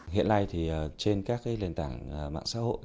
hiện nay thì trên các cái nền tảng mạng xã hội